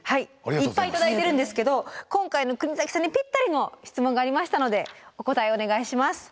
いっぱい頂いてるんですけど今回の国崎さんにぴったりの質問がありましたのでお答えをお願いします。